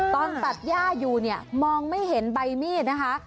ตอนตัดย่าอยู่เนี่ยมองไม่เห็นใบมีดนะคะ